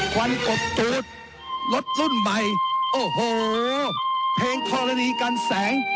วันกบตูดรถรุ่นใหม่โอ้โหเพลงธรณีกันแสง